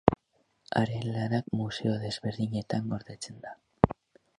Haren lanak museo desberdinetan gordetzen da.